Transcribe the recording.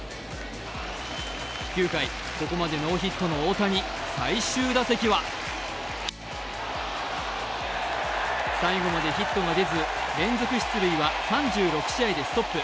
９回、ここまでノーヒットの大谷、最終打席は最後までヒットが出ず連続出塁記録は３６試合でストップ。